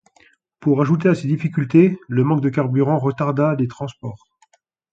Pour ajouter à ces difficultés, le manque de carburant retarda les transports.